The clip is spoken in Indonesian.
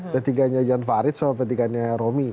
p tiga nya jan farid sama p tiga nya romi